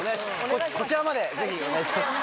こちらまでぜひお願いします。